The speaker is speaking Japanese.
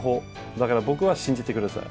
だから僕は信じてください。